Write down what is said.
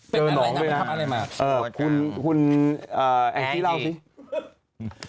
เจอหนองด้วยนะคุณแองที่เล่าสิ